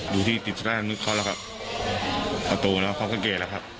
ดูที่ติดแส